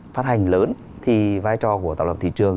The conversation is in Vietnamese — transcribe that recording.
phát hành lớn thì vai trò của tạo lập thị trường